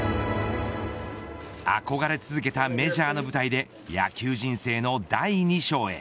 憧れ続けたメジャーの舞台で野球人生の第２章へ。